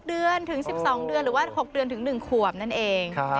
เดือนถึง๑๒เดือนหรือว่า๖เดือนถึง๑ขวบนั่นเอง